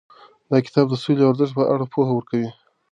دا کتاب د سولې د ارزښت په اړه پوهه ورکوي.